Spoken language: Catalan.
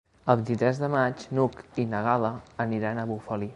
El vint-i-tres de maig n'Hug i na Gal·la aniran a Bufali.